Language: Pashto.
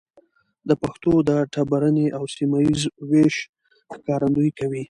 د پښتو د ټبرني او سيمه ييز ويش ښکارندويي کوي.